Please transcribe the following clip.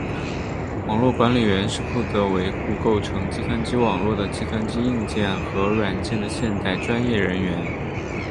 网络管理员是负责维护构成计算机网络的计算机硬件和软件的现代专业人员。